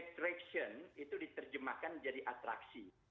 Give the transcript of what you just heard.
nah attraction itu diterjemahkan jadi atraksi